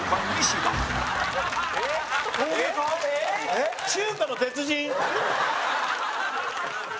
山崎：中華の鉄人！